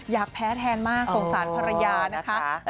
อยากแพ้แทนมากสงสารภรรยานะคะ